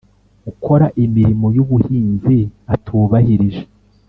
ukora imirimo y ubuhinzi atubahirije